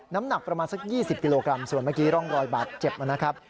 น้ำหนักประมาณสัก๒๐กิโลกรัมส่วนเมื่อกี้ร่องรอยบาดเจ็บนะครับ